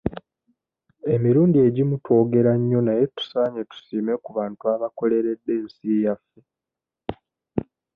Emirundi egimu twogera nnyo naye tusaanye tusiime ku bantu abakoleredde ensi yaffe.